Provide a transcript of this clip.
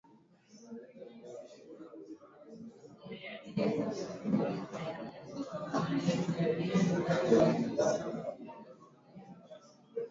Mambo yanayopelekea ugonjwa wa ukurutu kutokea ni kutokuwa na udhibiti wa vijidudu vya magonjwa